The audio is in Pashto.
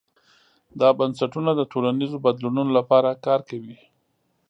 دا بنسټونه د ټولنیزو بدلونونو لپاره کار کوي.